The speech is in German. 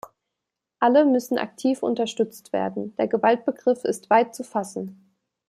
Alle Nmüssen aktiv unterstützt werden, der Gewaltbegriff ist weit zu fassen.